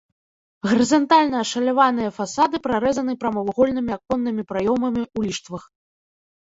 Гарызантальна ашаляваныя фасады прарэзаны прамавугольнымі аконнымі праёмамі ў ліштвах.